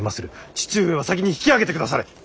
父上は先に引き揚げてくだされ。